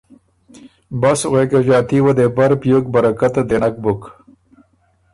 بس غوېکه ݫاتي وه دې بر بیوک برکته دې نک بُک